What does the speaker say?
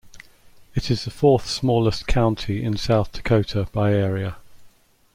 It is the fourth-smallest county in South Dakota by area.